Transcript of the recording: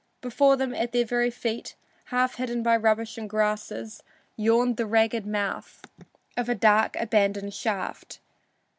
Before them, at their very feet, half hidden by rubbish and grasses, yawned the ragged mouth of a dark, abandoned shaft.